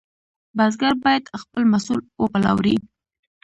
بزګر باید خپل محصول وپلوري.